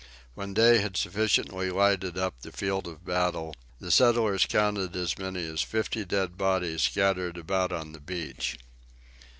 When day had sufficiently lighted up the field of battle, the settlers counted as many as fifty dead bodies scattered about on the shore.